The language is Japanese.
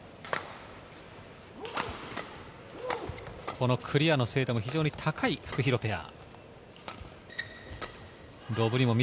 このクリアの精度も非常に高いフクヒロペア。